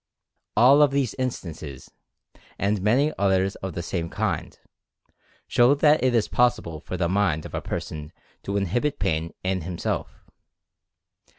All of these in stances, and many others of the same kind, show that it is possible for the mind of a person to inhibit pain in himself.